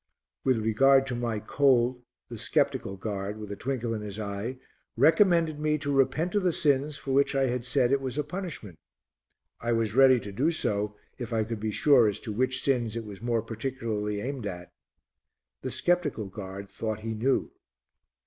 With regard to my cold, the sceptical guard, with a twinkle in his eye, recommended me to repent of the sins for which I had said it was a punishment. I was ready to do so if I could be sure as to which sins it was more particularly aimed at. The sceptical guard thought he knew.